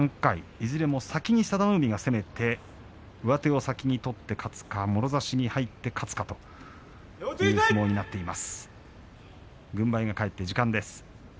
いずれも佐田の海を先に攻めて上手を先に取って勝つかもろ差しに入って勝つかとそういった相撲になっています。